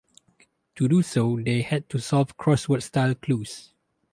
To do so, they had to solve crossword-style clues.